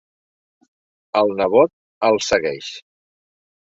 El nebot el segueix.